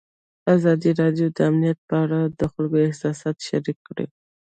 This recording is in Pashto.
ازادي راډیو د امنیت په اړه د خلکو احساسات شریک کړي.